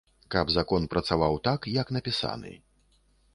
Каб закон працаваў так, як напісаны.